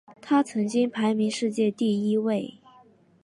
他曾经排名世界第一位。